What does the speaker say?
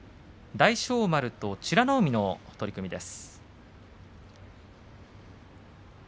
大翔丸と美ノ海の取組です。